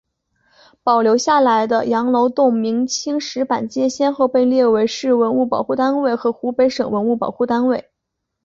保留下来的羊楼洞明清石板街先后被列为市文物保护单位和湖北省文物保护单位。